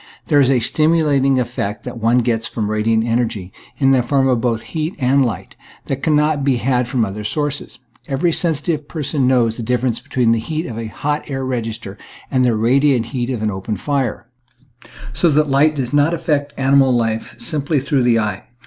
There is a stimulating effect that one gets from radiant energy, in the form of both heat and light, that cannot be had from other sources. Every sensitive person knows the 209 I . Original from UNIVERSITY OF WISCONSIN 210 nature's Atraclee. difference between the heat of a hot air reg ister and the radiant heat of an open fire. So that light does not affect animal life simply through the eye.